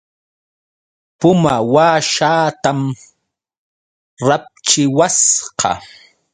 Puma washaatam rapchiwasqa.